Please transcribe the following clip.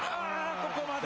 ここまで。